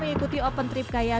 enak vilain ya